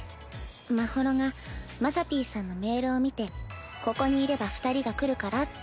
まほろがまさぴーさんのメールを見てここにいれば２人が来るからって。